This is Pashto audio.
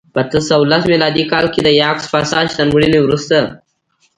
په اته سوه لس میلادي کال کې د یاکس پاساج تر مړینې وروسته